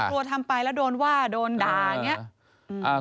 กลัวทำไปแล้วโดนว่าโดนด่า